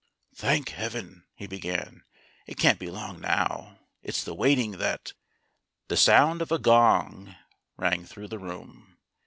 "Thank Heaven," he began, "it can't be long now. It's the waiting that " The sound of a gong rang through the room.